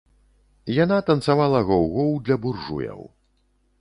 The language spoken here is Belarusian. Яна танцавала гоў-гоў для буржуяў.